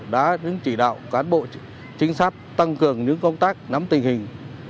đã đứng chỉ đạo cán bộ chính xác tăng cường những công tác nắm tình hình